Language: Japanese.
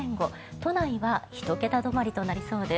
都内は１桁止まりとなりそうです。